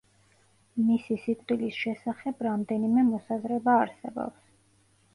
მისი სიკვდილის შესახებ რამდენიმე მოსაზრება არსებობს.